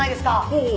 ほう。